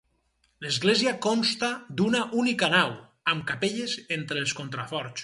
L'església consta d'una única nau, amb capelles entre els contraforts.